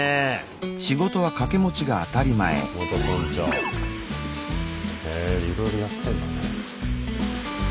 元村長。へいろいろやってんだね。